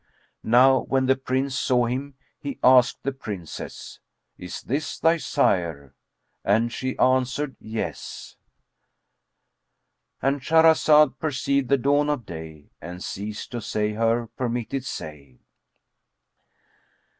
Now when the Prince saw him he asked the Princess, "Is this thy sire?"; and she answered, "Yes."—And Shahrazad perceived the dawn of day and ceased to say her permitted say.